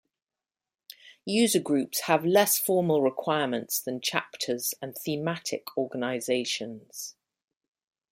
User groups have less formal requirements than chapters and thematic organizations.